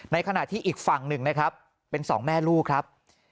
ขณะที่อีกฝั่งหนึ่งนะครับเป็นสองแม่ลูกครับ